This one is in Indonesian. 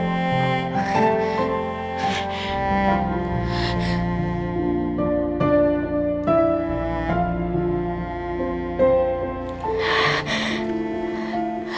anak gue jadi pusing kayak gini ya